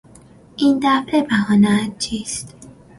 این دفعه بهانهات چیست؟